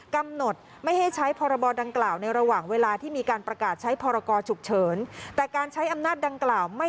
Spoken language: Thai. กำหนดไม่ให้ใช้ภดก